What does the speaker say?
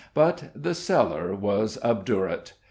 But the cellar was obdurate.